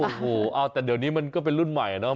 โอ้โหเอาแต่เดี๋ยวนี้มันก็เป็นรุ่นใหม่เนาะ